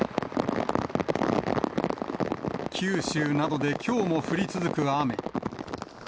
九州などできょうも降り続く雨。